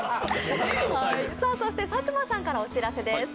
そして佐久間さんからお知らせです。